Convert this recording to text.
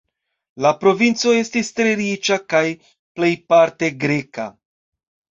La provinco estis tre riĉa kaj plejparte greka.